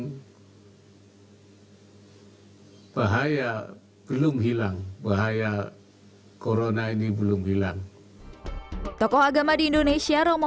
hai bahaya belum hilang bahaya corona ini belum hilang tokoh agama di indonesia romo